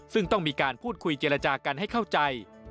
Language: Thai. ซึ่งต้องมีการพูดคุยเจรจากันให้เข้าใจ